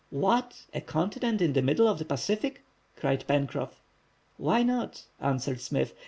"What! a continent in the middle of the Pacific!" cried Pencroff. "Why not?" answered Smith.